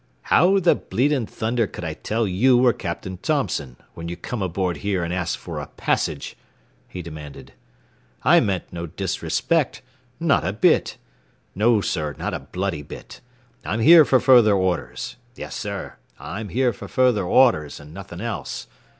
"How the bleeding thunder could I tell you were Captain Thompson, when you come aboard here and ask for a passage?" he demanded. "I meant no disrespect. Not a bit. No, sir, not a bloody bit. I'm here for further orders. Yessir, I'm here for further orders and nothin' else.